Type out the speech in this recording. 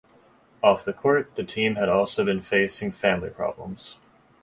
Off the court, the team had also been facing family problems.